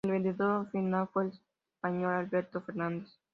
El vencedor final fue el español Alberto Fernández.